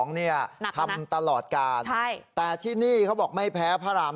เนี่ยทำตลอดกาลแต่ที่นี่เขาบอกไม่แพ้พระราม